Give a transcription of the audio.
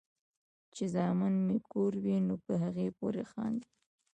چې زامن مې کور وي نو پۀ هغې پورې خاندي ـ